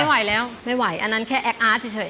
ไม่ไหวแล้วไม่ไหวอันนั้นแค่แอคอาร์ตเฉย